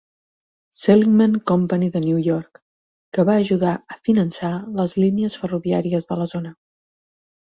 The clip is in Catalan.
Seligman Company de Nova York, que va ajudar a finançar les línies ferroviàries de la zona.